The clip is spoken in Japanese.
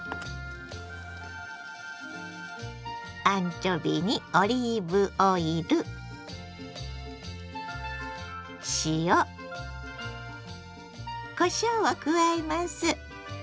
アンチョビにオリーブオイル塩こしょうを加えます。